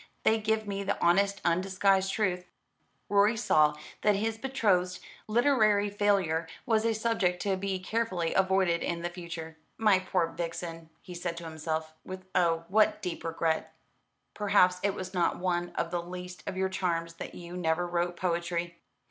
They give me the honest undisguised truth." Rorie saw that his betrothed's literary failure was a subject to be carefully avoided in future. "My poor Vixen," he said to himself, with oh! what deep regret, "perhaps it was not one of the least of your charms that you never wrote poetry."